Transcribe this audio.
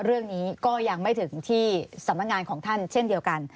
เรื่องนี้ก็ยังไม่ถึงที่สำนักงานของท่านเช่นเดียวกัน